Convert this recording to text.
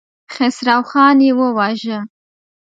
خسروخان يې وواژه.